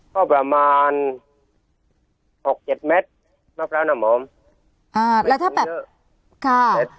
ก็ประมาณหกเจ็ดเม็ดมะพร้าวน้ำหอมอ่าแล้วถ้าแบบเยอะค่ะ